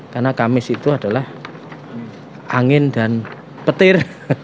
karena kamis itu adalah angin dan petir